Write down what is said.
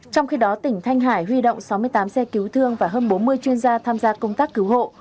trong khi đó tỉnh thanh hải huy động sáu mươi tám xe cứu thương và hơn bốn mươi chuyên gia tham gia công tác cứu hộ